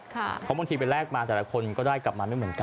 เพราะบางทีไปแลกมาแต่ละคนก็ได้กลับมาไม่เหมือนกัน